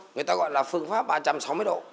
người ta gọi là phương pháp ba trăm sáu mươi độ